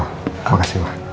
oh makasih ma